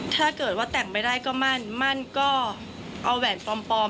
ถ้าเกิดว่าแต่งไม่ได้ก็มั่นมั่นก็เอาแหวนปลอม